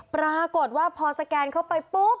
ปรากฏว่าพอสแกนเข้าไปปุ๊บ